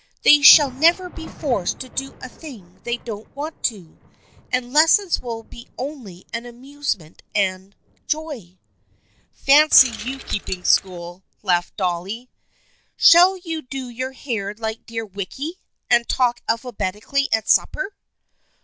They shall never be forced to do a thing they don't want to, and lessons will be only an amusement and a joy." " Fancy you keeping school !" laughed Dolly. " Shall you do your hair like dear Wicky, and talk alphabetically at supper